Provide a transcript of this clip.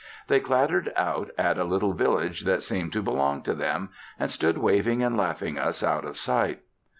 They clattered out at a little village that seemed to belong to them, and stood waving and laughing us out of sight.